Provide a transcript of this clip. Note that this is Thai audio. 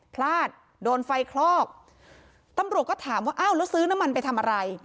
พลาดโดนไฟคลอกตำรวจก็ถามว่าอ้าวแล้วซื้อน้ำมันไปทำอะไร